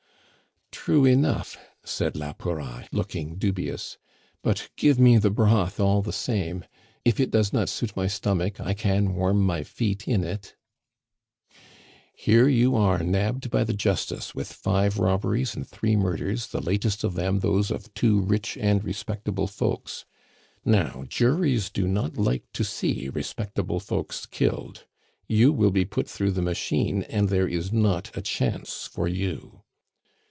"True enough!" said la Pouraille, looking dubious. "But give me the broth, all the same. If it does not suit my stomach, I can warm my feet in it " "Here you are nabbed by the Justice, with five robberies and three murders, the latest of them those of two rich and respectable folks.... Now, juries do not like to see respectable folks killed. You will be put through the machine, and there is not a chance for you."